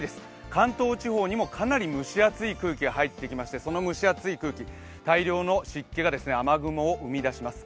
関東地方にもかなり蒸し暑い空気が入ってきまして、その蒸し暑い空気、大量の湿気が雨雲を生み出します。